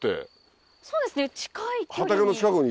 そうですね近い距離に。